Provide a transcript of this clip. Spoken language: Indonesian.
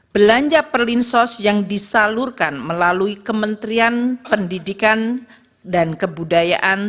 belanja perlinsos yang disalurkan melalui kementerian pendidikan dan kebudayaan